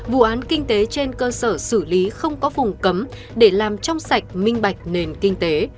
vụ án kinh tế trên cơ sở xử lý không có vùng cấm để làm trong sạch minh bạch nền kinh tế